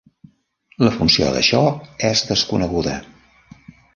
La funció d'això és desconeguda.